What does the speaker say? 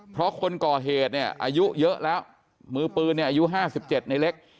เพราะคนก่อเหตุเนี่ยอายุเยอะแล้วมือปืนเนี่ยอายุ๕๗ในเล็ก